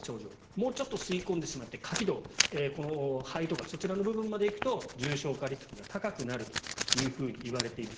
もうちょっと吸い込んでしまって下気道肺とかそちらの部分まで行くと重症化リスクが高くなるといわれています。